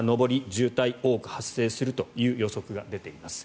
渋滞が多く発生するという予測が出ています。